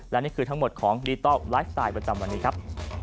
และนี่คือทั้งหมดของดิทัลไลฟ์สไตล์ประจำวันนี้ครับ